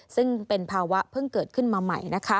ซึ่งเป็นภาวะเพิ่งเกิดขึ้นมาใหม่